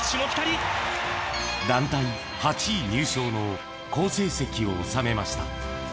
団体８位入賞の好成績を収めました。